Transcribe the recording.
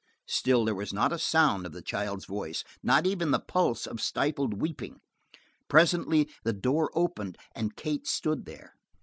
Still there was not a sound of the child's voice, not even the pulse of stifled weeping. Presently the door opened and Kate stood there.